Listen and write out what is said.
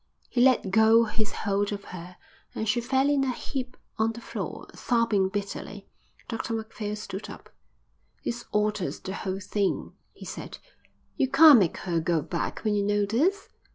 He let go his hold of her and she fell in a heap on the floor, sobbing bitterly. Dr Macphail stood up. "This alters the whole thing," he said. "You can't make her go back when you know this.